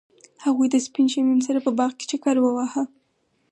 هغوی د سپین شمیم سره په باغ کې چکر وواهه.